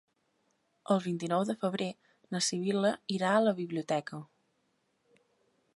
El vint-i-nou de febrer na Sibil·la irà a la biblioteca.